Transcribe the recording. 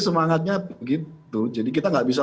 semangatnya begitu jadi kita nggak bisa